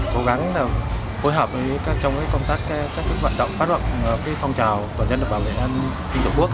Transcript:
cố gắng phối hợp trong công tác các chức vận động phát hoạt phong trào quản lý an ninh trật tự bước